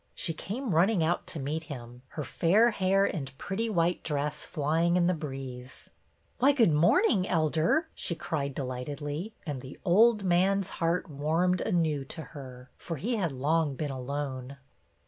She came running out to meet him, her fair hair and pretty white dress flying in the breeze. " Why, good morning. Elder," she cried delightedly ; and the old man's heart warmed anew to her, for he had long been alone.